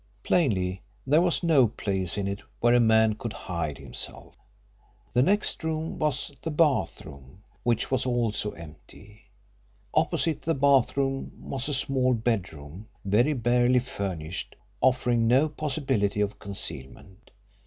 Plainly, there was no place in it where a man could hide himself. The next room was the bathroom, which was also empty. Opposite the bathroom was a small bedroom, very barely furnished, offering no possibility of concealment.